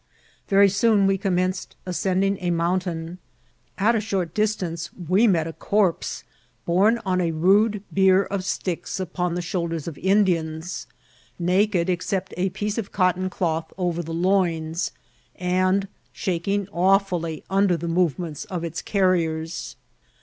Very soon we commenced ascending a mountain. At a short distance we met a corpse borne on a rude bier of sticks, upon the shoulders of Indians, naked except a piece of cotton cloth over the loins, and shaking awfriUy under the movements of its carriers.